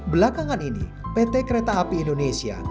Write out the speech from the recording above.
belakangan ini pt kereta api indonesia